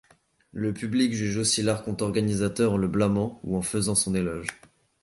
Le public juge aussi l'archonte organisateur en le blâmant ou en faisant son éloge.